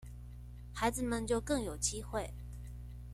孩子們就更有機會